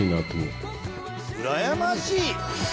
うらやましい！